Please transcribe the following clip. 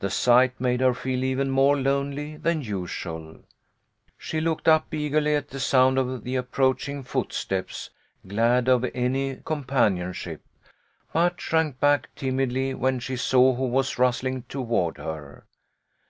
The sight made her feel even more lonely than usual. She looked up eagerly at the sound of the approaching footsteps, glad of any companionship, but shrank back timidly when she saw who was rustling toward her.